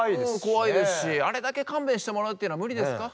怖いですしあれだけ勘弁してもらうっていうのは無理ですか？